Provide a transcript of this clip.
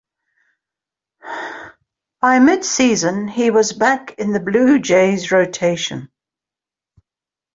By mid-season, he was back in the Blue Jays' rotation.